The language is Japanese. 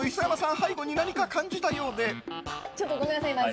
背後に何か感じたようで。